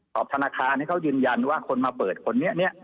ธนาคารให้เขายืนยันว่าคนมาเปิดคนนี้